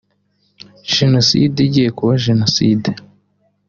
jenoside igiye kuba jenoside